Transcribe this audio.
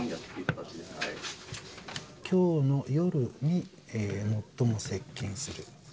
きょうの夜に最も接近する。